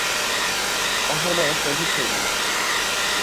তাহার বয়স অধিক হইবে না।